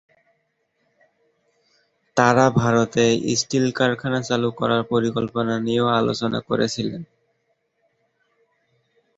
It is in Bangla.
তাঁরা ভারতে স্টিল কারখানা চালু করার পরিকল্পনা নিয়েও আলোচনা করেছিলেন।